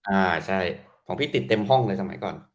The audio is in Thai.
อ่าใช่ของพี่ติดเต็มห้องเลยสมัยก่อน